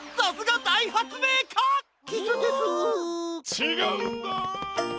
ちがうんだ！